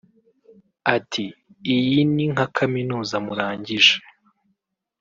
Ati “iyi ni nka Kaminuza murangije